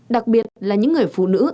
đặc biệt là những người phụ nữ